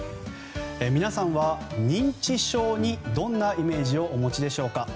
皆さんは認知症にどんなイメージをお持ちでしょうか。